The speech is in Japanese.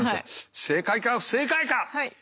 正解か不正解か。